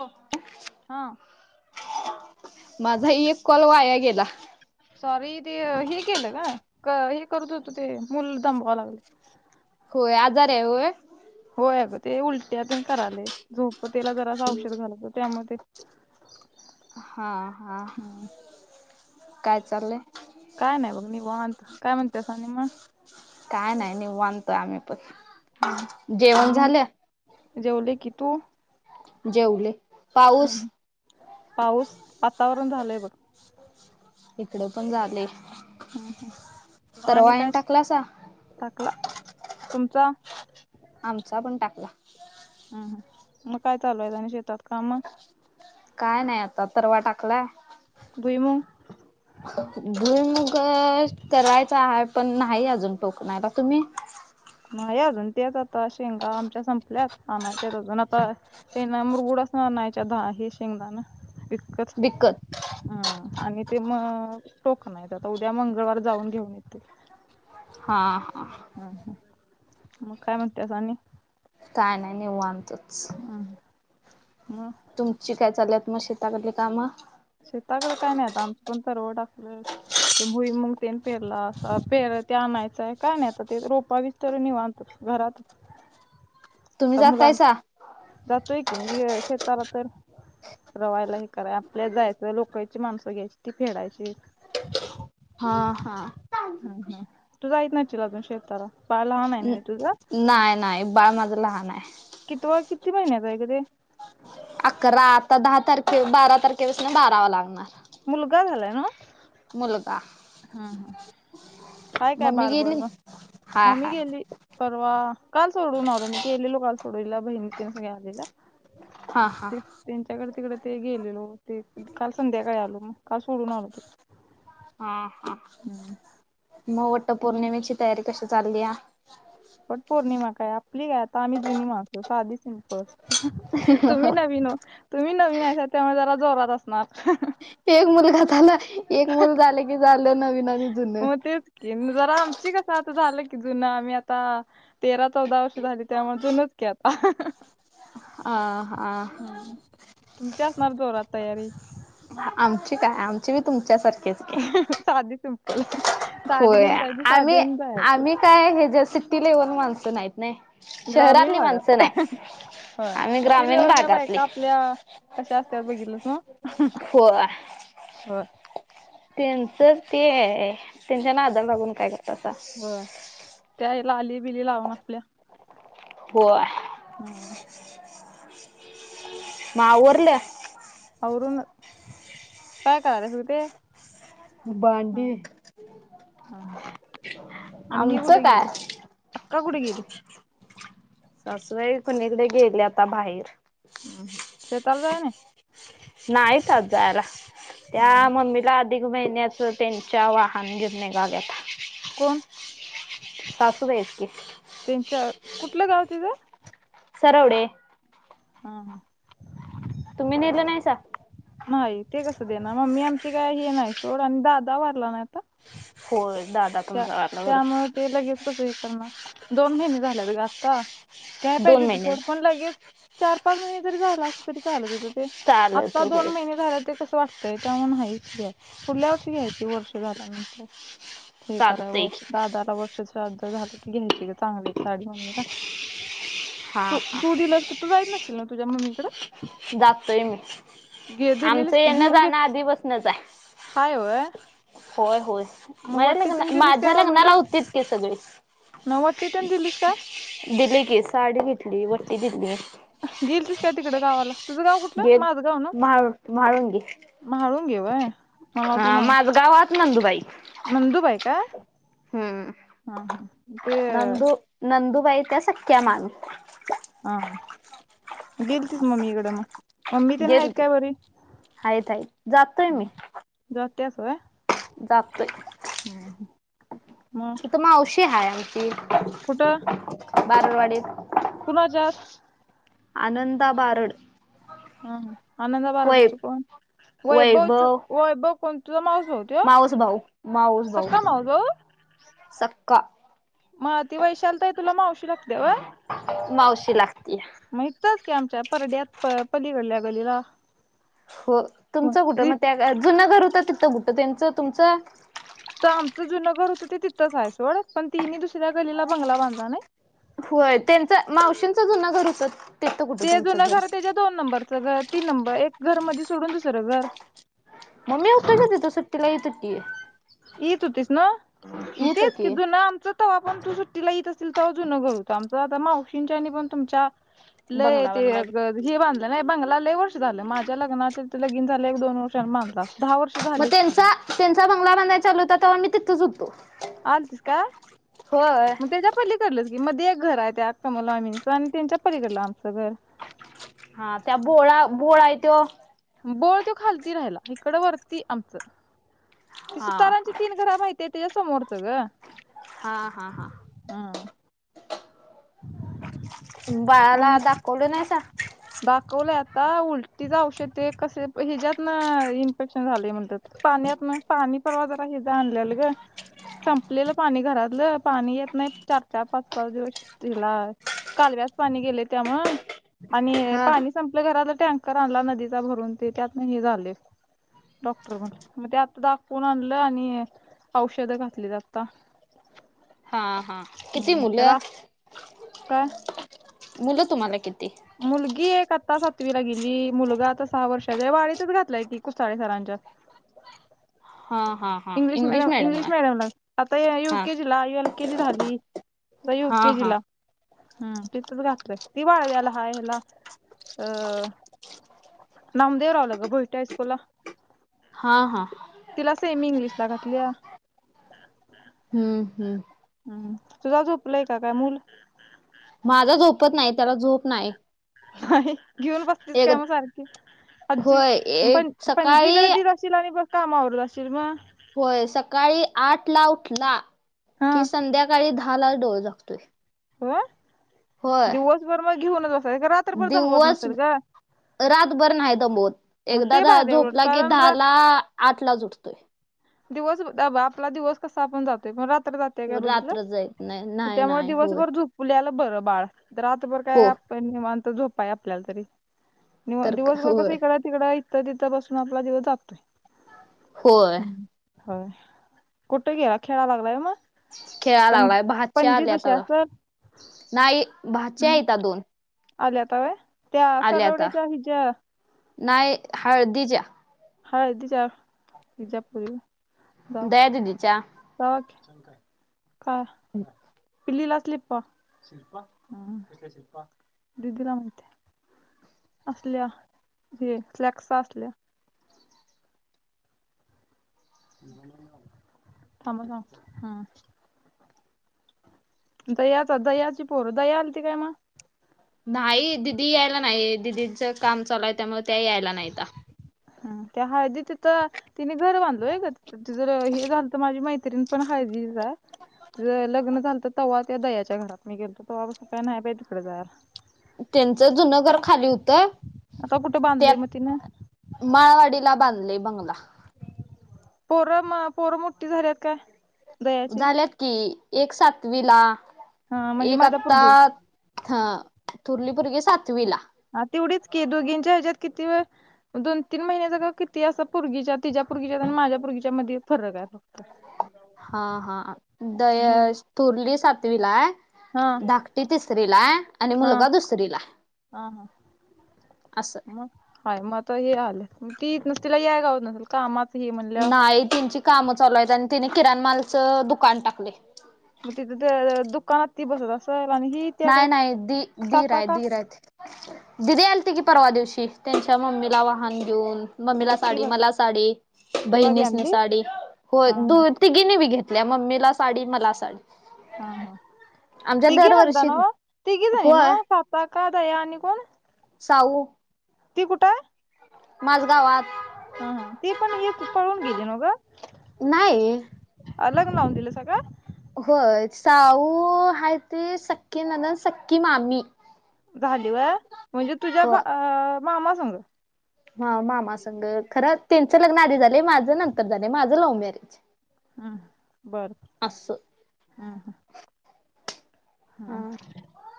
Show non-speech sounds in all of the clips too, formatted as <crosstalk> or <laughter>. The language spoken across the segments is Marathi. हो हा माझाही एक कॉल वाया गेला. सॉरी ते हे केलं का हे करत होत ते मुल दमबाव लागले. होय आजार आहे होय? होय गं ते उलटीून कराले झूप त्याला जर असं औषध घाला त्यामुळे ते <inaudible> हा हा काय चाललंय? काय नाही बघ निवांत काय म्हणतेस आणि मग? काय नाही निवांत आम्ही हम्म पण. जेवण आणि झाल? जेवले की तू? जेवले. पाऊस हम्म पाऊस वातावरण झालय बग. इकड पण झालय आणि काय टाकलासा टाकला. तुमचा आमचा पण टाकला. हम् मग काय चालू आहेत. आणि शेतात काम. काय नाही आता तरवा टाकलाय. भुईमूग. भुईमूग करायच आहे, पण नाही अजून टोकनायला तुम्ही. नाही अजून तेच आता शेंगा आमच्या संपल्यात आणायच्यात अजून आता शेणा मुरगुडासन द हे शेंगदाण वि विकत. आणि ते म टोकनायच आता उद्या मंगळवार जाऊन घेऊन येतील. हा हा. मग काय म्हणतीयास आणि? काय नाही निवांत. तच. हम्म मग तुमची काय चाल्यात? मग शेताकडली कामं. शेताकडे काय नाही आ आमचं पण तरव टाकलं ते भुईमूग ते पेरला अस पेर ते आणायचंय काय नाही, आता ते रोपा व्हिस्तवर निवांतच घरातच. तुम्ही आता मुलांचा जातायसा जातोय की कि मी शेताला तर रवायला हे, करा आपल्या जायचं लोकची माणसं घ्यायची ती फेडायची. ह हाहा ह ह तु जाईत नशील आजून शेताला बाळ लहान आहे नव्हे. नाहीय नाही बाळ माझ लहान आहे. तो किती महिन्याच आहे ग ते? अकरा आता दहा तारखे बारा तारखेपासून बारावा लागणार. मुलगा झालाय नव्ह? मुलगा हम ह हाय काय मम्मी बाळ बर गेली मग हाय मम्मी हाय गेली परवा काल सोडून म मी केलेलो काल सोडूला बहिणी त्यां सग आलेल्या हा हा त्यांच्याकडे तिकडे - ते गेलेलो ते काल संध्याकाळी आ मग का सोडून आला तो? हा हा हम्म. मग वटपौर्णिमेची तयारी कशी चाललीया? पट पौर्णिमा काय आप कसली आता? आम्ही जुनी माणस साधीच सिम्पल हहह तुम्ही नवीन ओ तुम्ही नवीन आहेसा त्यामुळे जरा आता जोरात असणार. हहह. एक मुलगा झाला. एक मुल झालं की झालं नवीन आणि जुन मग तेच की जरा आमची आमचं आता झालं की जुन आम्ही आता. तेरा चौदा वर्ष झाली त्यामुळ जुनच की आता हहह. आह हा मग जोरात तयारी. आमची काय आमची मी तुमच्यासारखी. हहह साधी तुमची बला <unintelligible> होय, आम्ही आम्ही काय हे जे सिटी लेवल माणस नाहीत नाही. ग्रामीण शहरातली माणसं भागात अह नाही होय, आम्ही सिटी ग्रामीण लेवलच्या भागातली बायका आपल्या कशा असत्या बघितलंच नव्ह? होय होय. त्यांच ते त्यांच्या नादाला लागून काय कर तासा. काय लाली बिली लावून आपल्या होय. हम्म. मग आवरल्या? आवरून काय करायचं ते? भांडी, हम्म हम्म. आमचं काय? का? कुठे गेली? सासूबाई कुणीकडे गेली आता बाहेर. हां. शेताला जाय नाही. नाहीच आज जायला. त्या हम्म. मम्मीला अधिक महिन्याचं त्यांच्या वाहन गीन निघाल्यात्या. कोण? सासूबाई हायत की. त्यांच्या कुठलं गाव तिजं? सरवडे. हा. तुम्ही नेलं नाहीसा? नाही. ते कसं देणार? मम्मी आमची काय हे नाय सोड आणि दादा वारला नाही आता. होय. दादा त्या तुमचा वारला बरोबर त्यामुळं ते लगेच कसं ही करणार? दोन महिने झाल्यात गं आता. घ्याय पाहिजे दोन होती महिने सोड, पण लगेच चार पाच महिने जरी झालं असतं, तरी चालतच अस तं. चालत आता दोन होय महिने झाल्यात, ते कसं वाट <unintelligible> नाहीच काय. पुढल्या वर्षी घ्यायची, वर्ष झाल्यानंतर. <unintelligible> चालतंय की दहा वर् श्राद्ध झालं की, घ्यायची गं चांगली साडी मम्मीला. हा तू हा तू दिलंस, तर तू जाईत नसशील ना? तुझ्या मम्मीकडं? जातोय मी. आमचं दिलेलीस की येणं घेऊन घे जाणं आधीपसनच हाय. हाय व्हय? होय होय. माझ्या लग्ना माझ्या लग्नाला, हुतीच की सगळी. न वट्टी तेन दिलीस का? दिली की साडी दिली. वट्टी दिली हाय. गेलतीस का तिकडं गावाला? तुझं गाव गे कुठलं माझं गाव महाळुत, महाळुंगे. गे होय. हा माजगावात नंदुबाई. नंदूबाई का? हम्म हा हा ते व्हय त्या सख्या मानू. हा हा, गेलतीस मम्मीकडं मग? मम्मी तेन घेत आहेत तू काय बरी हायत हाई जाततोय मी जात्यास व्हय जाप मग तिथं मावशी हाय <inaudible> कुठं बारडवाडीत कोणाच्यात आनंदा बारड हां हअ्ं आनंदा बारड वै चे कोन वैभव च वैभव कोन मावस भाऊ त्यो माऊस भाऊ सख्खा मावस भाऊ! सख्खा म ती वैशाली ताई तुला मावशी लागतीय होय. मावशी लागतीय. हितच की आमच्या परड्यात पलीकडल्या गलीला. हो तुमचं कुठं मग त्या जुन घर हू तिथं कुठं त्याचं तुमचं तर आमचं जुन घर होतं ते तिथंच आहेय सोड, पण तिनी दुसऱ्या गलीला बंगला बांधला नाही. होय त्यांचा मावशींचा जुना घर हुत ते जुन घर त्यांच्या दोन नंबरला <unintelligible> तीन नंबर एक घर मधी सोडून दुसरं घर. मी होतो की तिथे सुट्टीला <inaudible> येत होतीस नव तेच की जुना आमचं तवा पण तू सुट्टीला येत असेल तव जुनं घर होत, आमचं आता मावशींच्या आणि पण तुमच्या लय बंगला ते बांधला हे बांधल नाय बंगला लय वर्ष झाले माझ्या लग्नाचे लगीन झाले एक दोन वर्ष आणि बांधला दहा वर्ष मग झालीच की त्यांचा त्यांचा बंगला बांधाय बांधाय चालू होता तेव्हा मी तिथेच होतो. अलतीस काय होय मग तेच्या पलीकडलं मध्ये एक घर आहे त्या कमल मामींचं आणि त्यांच्या पलीकडलं आमचं घर. हा त्या बोळा बोळा आहेय त्यो बोळ तो खालती राहिला इकडं वरती आमचं. हा सुतारांची तीन घरा माहिती ती समोरच ग हा हा हा हा बाळाला दाखवले नाहीसा. दाखवलं आता उलटीच औषध ते कसे हिच्यात न इन्फेक्शन झालय म्हणतात, पाण्यात न पाणी परवा जरा हिच आणलेल ग, संपलेलं पाणी घरातलं पाणी येत नाही चार चार पाच पाच दिवस हेला कालव्याचं पाणी गेलय त्यामुळं. आणि हा पाणी संपलं घरातलं टँकर आणला नदीचा भरून ते त्यात हे झालंय डॉक्टर म्हणल, मग ते आता दाखवून आणलं आणि औषध घातलीत आता. हा हा किती मुलं? का? मुलं तुम्हाला किती? मुलगी एक आता सातवी ला गेली, मुलगा आता सहा वर्षाचा वाळीतच घातलाय की कुसाळे सरांच्यात. हा हा हा इंग्लिश मडयम मॅडम इंग्लिश आहे मिडियम ला आता हा युकेजी ला एल केेजी झाली आता हा युकेजी हा ला. हम् तिथच घातलंय ती वाळवीला हाय हला अ नामदेव रावलं ग भुईटे हायस्कूल ला. हा हा. तिला सेम इंग्लिश घातली या. हम्म हम्म. ह् तुझा झोपलाय का काय मूल. माझा झोपत नाही त्याला झोप नाय. हय. घेऊन बसतीस काय मग सारखी, आज्जी होय एक पण पणजीकडे सकाळी देत असशील आणि बस कामावर जाशील म. होय सकाळी आठ ला उठला,. हा कि संध्याकाळी दहा ला डोळे झाकतोय. होय. होय दिवसभर मग घेऊन च अस एका रात्र भर दमवत दिवस नसतेल ग. रातभर नाही दमवत मग एकदा ते झा भारी उलट झोपला की कारण दहा ला आठ ला च उठतोय. दिवस आपला दिवस कसा पण जातोय पण रा <unintelligible> बिगीतल, रात्र जाईत नाही नाही त्यामुळे नाही होय दिवसभर झोपल्याल बरं बाळ रातभर काय हो आपण निवांत झोपाय आपल्याला तरी. निव तर का दिवसभर कस होय इकडं तिकडं. ईथ तिथ बसून आपला दीवस जातोय. होय. होय कुठे गेला खेळा लागलाय म. खेळाय लागलाय भाची आली आता. असल नाही भाच्या आहेत दोन. आल्याता व्हय? त्या आल्याता सरवड्याच्या हिच्या नाही हळदीच्या. हळदीच्या <unintelligible> दया दिदीच्या. हा, पिलीला स्लीपा. स्लिप्पा? हं कसल्या स्लीप्पा? दिदीला माहितीए असल्या हे स्लॅक्स असल्या. थांबा सांगते हम्म. दयाचा दयाची पोरं दया आलती का म? नाही दिदी यायला नाही दिदींचं काम चालूये त्यामुळे त्या यायला नाहीता. हं त्या हळदी तिथं तिने घर बांधलं व्हय ग? त तिझं तर अ हे झालं त माझी मैत्रीण पण हळदीचीच आहे तिझं लग्न झालंत तव्हा त्या दयाच्या घरात मी गेलतो तव्हा पासून काय न्हाय बाई तिकडे जाया त्यांचं जुनं घर खाली होतं आता कुठं बांधलंय म तिनं? ला बांधलंय बंगला. पोरं म पोरं मोठ्ठी झालीत काय? दयाची झाल्यात कि एक सातवी ला हा म्हणजे एक माझा आत्ता पोरगी होय हं थोरली पोरगी सातवीला. हा तेवढीच की दोघींच्या ह्याच्यात किती वेळ दोन तीन महिन्याचा का किती असा पोरगीच्या तिच्या पोरगीच्यात आणि माझ्या पोरगीच्या मध्ये फरक आहे त हां - हां दया आणि थोरली सात तविला हाय हा धाकटी तिसरीला हाय आणि हा मुलगा दुसरीला हा हा असं. मग हाय मग आता हे ती नुस तिला याय घावत नसल कामात नाही त्यांची काम चालूयत आणि तेनि किरा मालचं दुकान टाकलंय. म तिथे तर दुकानात ती बसत असंल. नाय - नाय दि-दिर हायत - का दीर हायत दिदी आलती की परवा दिवशी त्यांच्या मम्मीला वहान घेऊन मम्मीला वट्टी साडी भात मला साडी तुला बी बहिणीसनी आणली साडी होय हा हा दो तिघींनी बी घेत ल्या मम्मीला साडी मला साडी हा - हा आमच्या तिघी नंदा दरवर्षी हं तिघी जणी ना होय साताका दया आणि कोण? साऊ ती कुठंय? माजगावात. हं - हं ती पण हीत पळून गेली ना ग? नाई. अलग लावून दिलं सगळ? होय साऊ आहे ती सख्खी नंणंद सख्खी मामी झाली व्हय म्हणजे तुझ्या भा आ मामा संग ह मामा संघ खरं ते लग्न आध झाले माझं नंतर झालं माझं लव्ह मॅरेज ह बर असं ह ह हा ह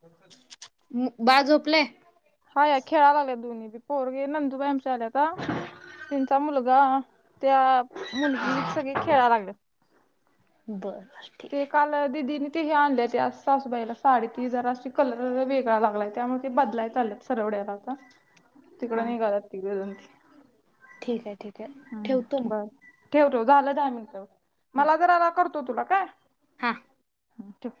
फक्त बाळ झोपलय हा खेळायला लागलेत दोन्ही ब पोरगे नंदुबाई आमच्या आल्याता त्यांचा मुलगा त्या मुलगी सगळे खेळायला लागल्या. बरं ठीक ते आहे काळ दिदी ते हे आणले ते अस सासूबाईला साडी ती जरा अशी कलर वेगळा लागलाय त्यामुळे ते बदलाय चालयात सरवड्याला आता तिकड हा निघाल्यात तिघ जण ठीक आहे ठीक आहे हम्म ठेवतो मग. बर ठेव ठेव झालं दहा मिनटं हा मला जरा ना कर तो तुला काय हा ह ठेव